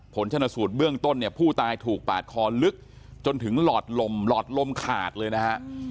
ผลชนสูตรเบื้องต้นเนี่ยผู้ตายถูกปาดคอลึกจนถึงหลอดลมหลอดลมขาดเลยนะฮะ